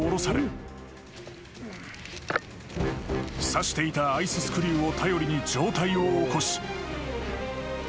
［さしていたアイススクリューを頼りに上体を起こし］